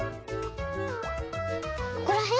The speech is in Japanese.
ここらへん？